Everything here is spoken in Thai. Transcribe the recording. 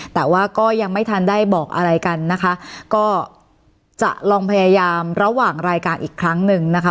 แต่ว่าก็ยังไม่ทันได้บอกอะไรกันนะคะก็จะลองพยายามระหว่างรายการอีกครั้งหนึ่งนะคะ